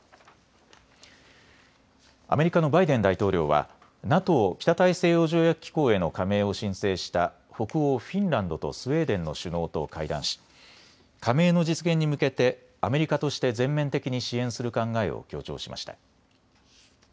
アメリカのバイデン大統領はＮＡＴＯ・北大西洋条約機構への加盟を申請した北欧フィンランドとスウェーデンの首脳と会談し加盟の実現に向けてアメリカとして全面的に支援する考えを強調しました。